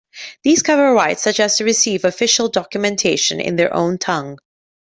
These cover rights such as to receive official documentation in their own tongue.